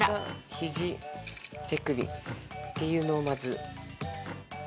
肘手首っていうのをまず。